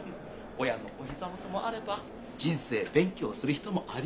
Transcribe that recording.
親のお膝元もあれば人生勉強する人もあり。